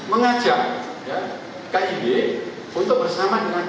mengajak kib untuk bersama dengan